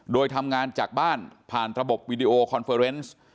โดยทำงานจากบ้านผ่านระบบวิดีโอคอนเฟอร์เนส